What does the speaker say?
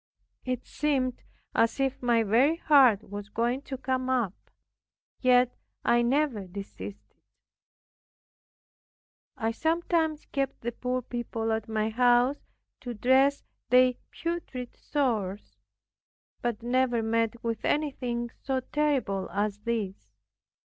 It seemed as if my very heart was going to come up; yet I never desisted. I sometimes kept the poor people at my house to dress their putrid sores; but never met with anything so terrible as this.